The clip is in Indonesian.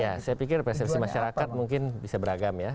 ya saya pikir persepsi masyarakat mungkin bisa beragam ya